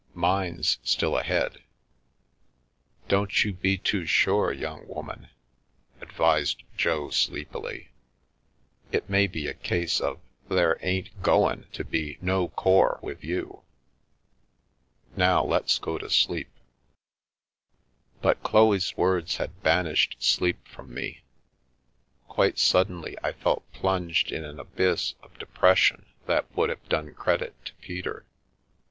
Mine's still ahead." " Don't you be too sure, young woman," advised Jo, sleepily ;" it may be a case of ' there ain't goin' to be no core ' with you ! Now let's go to sleep." But Chloe's words had banished sleep from me. Quite suddenly I felt plunged in an abyss of depression that would have done credit to Peter.